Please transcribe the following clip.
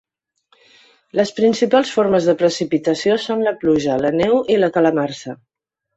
Les principals formes de precipitació són la pluja, la neu i la calamarsa.